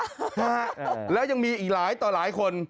นี่เหลียวตกแล้วอีกหลายต่อหลายคน